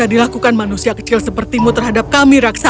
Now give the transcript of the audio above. kami tidak akan menemukan manusia kecil sepertimu terhadap kami raksasa